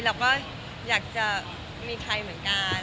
เราก็อยากจะมีใครเหมือนกัน